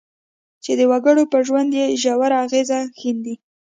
چې د وګړو پر ژوند یې ژور اغېز ښندي.